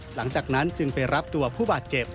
หลังจากนั้นจึงไปรับตัวผู้บาดเจ็บ